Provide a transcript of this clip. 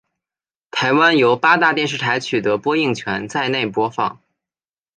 台湾由八大电视台取得播映权在内播放。